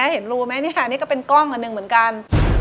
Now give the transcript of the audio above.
เห็นรู้ไหมอันนี้ก็เป็นกล้องอันนึงเหมือนกัน